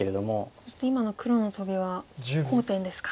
そして今の黒のトビは好点ですか。